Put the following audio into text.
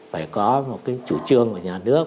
phải có một cái chủ trương của nhà nước